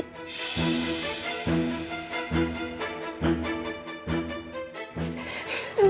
menanggung semua biaya ini